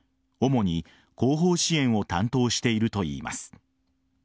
主に後方支援を担当しているといいます。